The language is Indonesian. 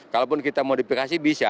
kalaupun kita modifikasi bisa